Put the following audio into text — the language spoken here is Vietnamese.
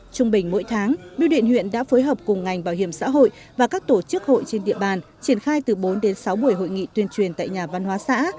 trung bình mỗi tháng biêu điện huyện đã phối hợp cùng ngành bảo hiểm xã hội và các tổ chức hội trên địa bàn triển khai từ bốn đến sáu buổi hội nghị tuyên truyền tại nhà văn hóa xã